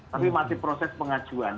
tapi masih proses pengajuan